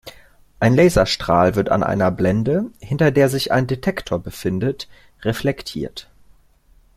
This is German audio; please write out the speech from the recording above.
Ein Laserstrahl wird an einer Blende, hinter der sich ein Detektor befindet, reflektiert.